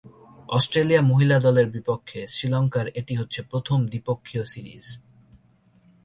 Australia মহিলা দলের বিপক্ষে শ্রীলঙ্কার এটি হচ্ছে প্রথম দ্বিপক্ষীয় সিরিজ।